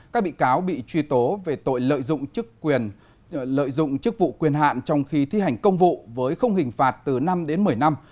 các bị cáo bị truy tố về tội lợi dụng chức vụ quyền hạn trong khi thi hành công vụ với không hình phạt từ năm đến một mươi năm